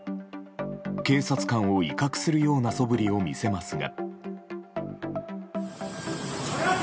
警察官を威嚇するようなそぶりを見せますが。